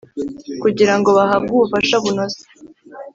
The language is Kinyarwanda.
kugira ngo bahabwe ubufasha bunoze